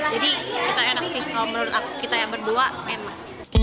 jadi kita enak sih menurut aku kita yang berdua enak